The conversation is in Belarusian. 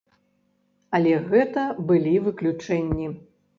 Але гэта былі выключэнні.